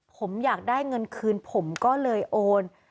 ผมอยากได้เงินคืนผมก็เลยโอน